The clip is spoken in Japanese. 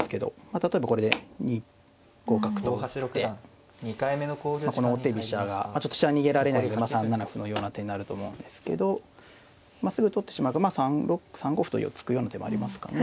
例えばこれで２五角と打ってこの王手飛車がちょっと飛車逃げられないんで３七歩のような手になると思うんですけどすぐ取ってしまうかまあ３五歩と突くような手もありますかね。